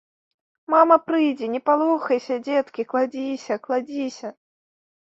Мама прыйдзе, не палохайся, дзеткі, кладзіся, кладзіся.